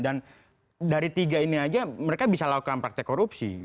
dan dari tiga ini aja mereka bisa lakukan praktek korupsi